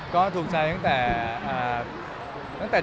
ก็ถูกใจตั้งแต่จับครั้งแรก